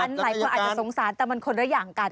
หลายคนอาจจะสงสารแต่มันคนละอย่างกัน